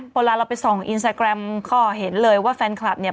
เวลาเราไปส่องอินสตาแกรมก็เห็นเลยว่าแฟนคลับเนี่ย